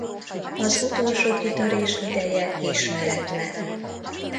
Az utolsó kitörés ideje ismeretlen.